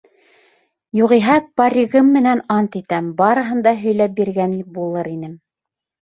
Юғиһә, паригым менән ант итәм, барыһын да һөйләп биргән булыр инем.